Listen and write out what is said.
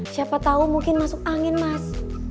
siapa tahu mungkin masuk angin mas